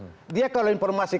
jadi ini sudah terjadi